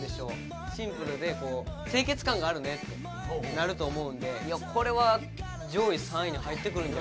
シンプルで清潔感があるねってなると思うのでこれは上位３位に入ってくるんじゃないですか。